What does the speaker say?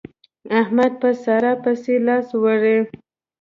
احمد په سارا پسې لاس وړي.